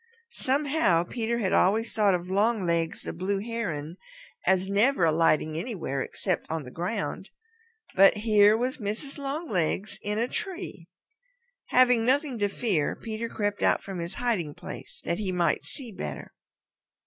Somehow Peter had always thought of Longlegs the Blue Heron as never alighting anywhere except on the ground. But here was Mrs. Longlegs in a tree. Having nothing to fear, Peter crept out from his hiding place that he might see better.